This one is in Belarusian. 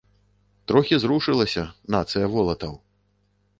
Трохі зрушылася, нацыя волатаў!